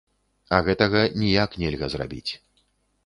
А гэтага ніяк нельга зрабіць.